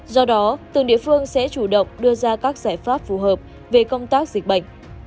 do đó từng địa phương sẽ chủ động đưa ra các giải pháp phù hợp về công tác dịch bệnh